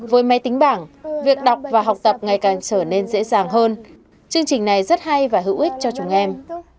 với máy tính bảng việc đọc và học tập ngày càng trở nên dễ dàng hơn chương trình này rất hay và hữu ích cho chúng em